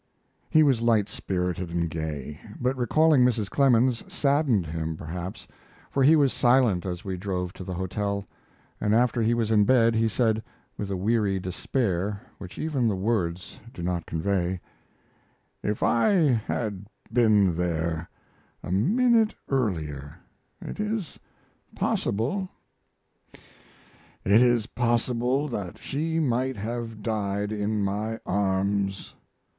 He was light spirited and gay; but recalling Mrs. Clemens saddened him, perhaps, for he was silent as we drove to the hotel, and after he was in bed he said, with a weary despair which even the words do not convey: "If I had been there a minute earlier, it is possible it is possible that she might have died in my arms.